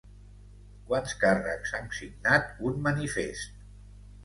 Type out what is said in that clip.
Quants càrrecs han signat un manifest?